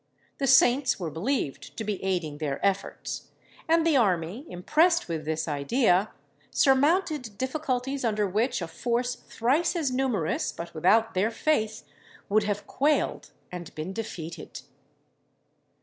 The saints were believed to be aiding their efforts, and the army, impressed with this idea, surmounted difficulties under which a force thrice as numerous, but without their faith, would have quailed and been defeated.